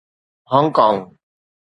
Hong Kong